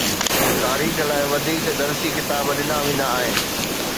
تاريخ لاءِ وڌيڪ درسي ڪتاب ڏنا ويندا آهن.